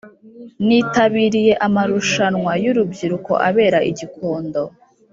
Nitabiriye amarushanwa y’urubyiruko abera igikondo